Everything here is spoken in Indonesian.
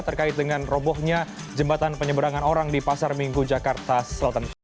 terkait dengan robohnya jembatan penyeberangan orang di pasar minggu jakarta selatan